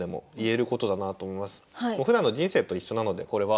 もうふだんの人生と一緒なのでこれは。